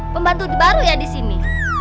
pembantu baru ya disini